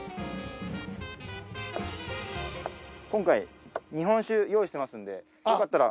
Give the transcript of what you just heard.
今回日本酒用意してますんでよかったら。